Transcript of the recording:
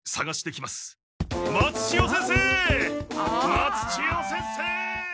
松千代先生！